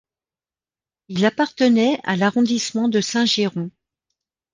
Il appartenait à l'arrondissement de Saint-Girons.